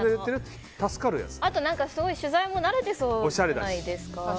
あと取材も慣れてそうじゃないですか。